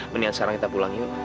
meniat sarang kita pulang yuk